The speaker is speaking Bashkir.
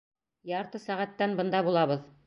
Ярты сәғәттән бында булабыҙ!